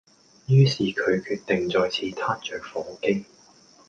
於是佢決定再次撻着火機